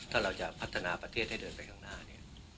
ถ้าเราจะพัฒนาประเทศให้เดินไปข้างหน้าเนี่ย